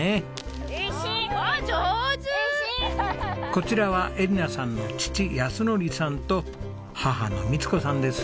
こちらは恵梨奈さんの父泰徳さんと母の美津子さんです。